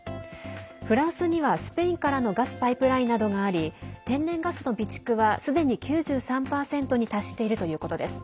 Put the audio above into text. フランスにはスペインからのガスパイプラインなどがあり天然ガスの備蓄はすでに９３％に達しているということです。